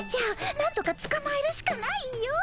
なんとかつかまえるしかないよ。